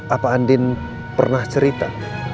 apa andin pernah cerita